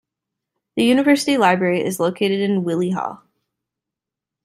The University Library is located in Wyllie Hall.